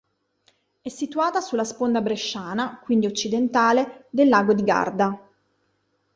È situata sulla sponda bresciana, quindi occidentale, del lago di Garda.